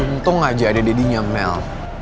untung aja ada deddynya mel